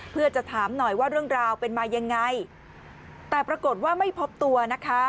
เพื่อจะถามหน่อยว่าเรื่องราวเป็นมายังไงแต่ปรากฏว่าไม่พบตัวนะคะ